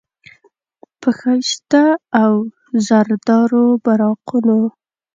په ښایسته او وزردارو براقونو،